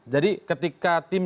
jadi ketika tim